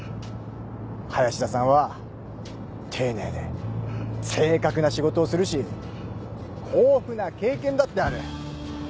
林田さんは丁寧で正確な仕事をするし豊富な経験だってある。